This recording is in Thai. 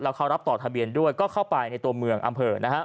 แล้วเขารับตอบทะเบียนด้วยก็เข้าไปในตัวเมืองอำเภอ